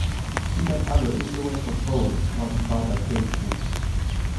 He met other influential poets while he taught at Princeton.